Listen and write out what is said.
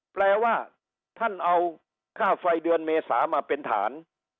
แปลว่าท่านเอาค่าไฟเดือนเมษามาเป็นฐาน